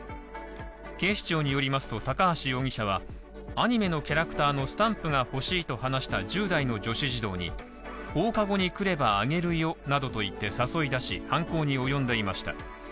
警視庁によりますと高橋容疑者は、アニメのキャラクターのスタンプが欲しいと話した１０代の女子児童に、放課後に来ればあげるよなどと言って誘い出し、犯行に及んでいました。